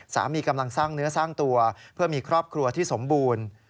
สามีกำลังสร้างเนื้อสร้างตัวเพื่อมีครอบครัวที่สมบูรณ์